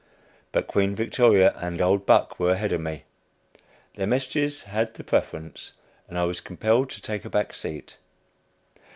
But Queen Victoria and "Old Buck" were ahead of me. Their messages had the preference, and I was compelled to "take a back seat."